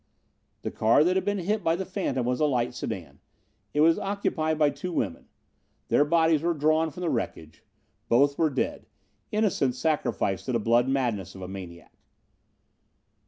The car that had been hit by the phantom was a light sedan. It was occupied by two women. Their bodies were drawn from the wreckage. Both were dead innocents sacrificed to the blood madness of a maniac.